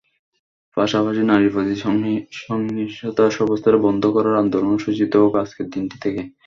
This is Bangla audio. পাশাপাশি নারীর প্রতি সহিংসতা সর্বস্তরে বন্ধ করার আন্দোলনও সূচিত হোক আজকের দিনটি থেকেই।